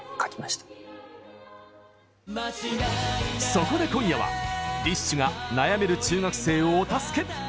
そこで今夜はＤＩＳＨ／／が悩める中学生をお助け！